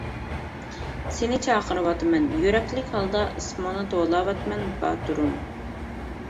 سېنى چاقىرىۋاتىمەن، يۈرەكلىك ھالدا ئىسمىڭنى توۋلاۋاتىمەن باتۇرۇم.